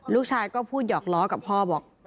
ลูกชายก็พูดหยอกล้อกับพ่อบอก